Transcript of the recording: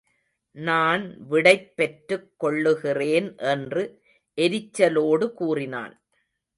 நான் விடைப் பெற்றுக் கொள்ளுகிறேன் என்று எரிச்சலோடு கூறினான்.